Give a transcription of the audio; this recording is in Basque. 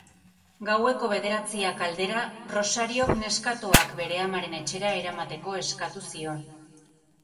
Gaueko bederatziak aldera, Rosariok neskatoak bere amaren etxera eramateko eskatu zion.